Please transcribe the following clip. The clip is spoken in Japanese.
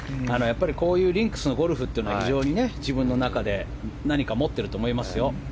こういうリンクスのゴルフというのは非常に自分の中で何か持ってると思いますよ。